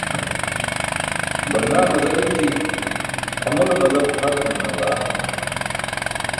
Bandaa maza ilji, phamole maza guxatane nalaa.